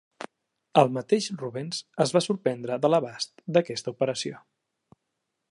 El mateix Rubens es va sorprendre de l'abast d'aquesta operació.